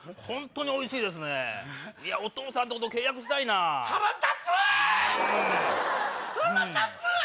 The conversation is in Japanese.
ホントにおいしいですねいやお父さんとこと契約したいな腹立つ！